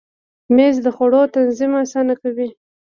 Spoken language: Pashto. مېز د خوړو تنظیم اسانه کوي.